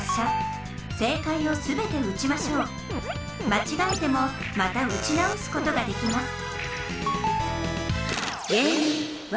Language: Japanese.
まちがえてもまた撃ち直すことができます